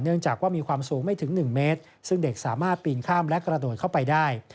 จากว่ามีความสูงไม่ถึง๑เมตรซึ่งเด็กสามารถปีนข้ามและกระโดดเข้าไปได้